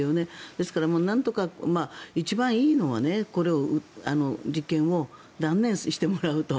ですから、なんとか一番いいのは実験を断念してもらうと。